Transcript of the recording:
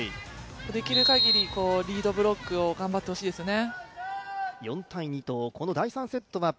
できるかぎりリードブロックを頑張ってほしいですよね。